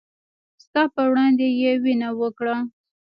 ستا په وړاندې يې وينه وکړه